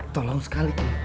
tolong sekali ki